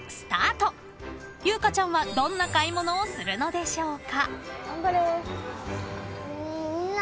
［ゆうかちゃんはどんな買い物をするのでしょうか］